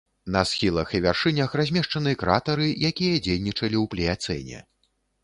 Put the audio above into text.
На схілах і вяршынях размешчаны кратары, якія дзейнічалі ў пліяцэне.